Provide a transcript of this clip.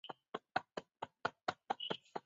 拟珍齿螯蛛为球蛛科齿螯蛛属的动物。